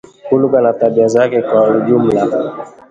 hulka na tabia zake kwa ujumla